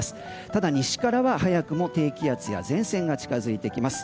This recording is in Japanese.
ただ西からは早くも低気圧が前線が近づいてきます。